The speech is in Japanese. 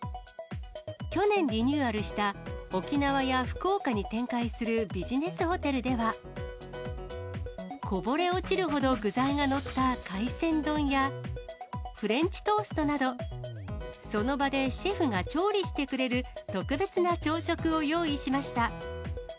去年リニューアルした、沖縄や福岡に展開するビジネスホテルでは、こぼれ落ちるほど具材が載った海鮮丼や、フレンチトーストなど、その場でシェフが調理してくれる特別な朝食を用意しました。